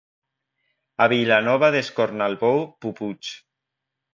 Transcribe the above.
A Vilanova d'Escornalbou, puputs.